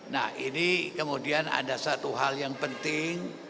nah ini kemudian ada satu hal yang penting